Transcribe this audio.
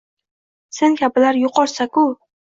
Sen kabilar yo’qolsa-ku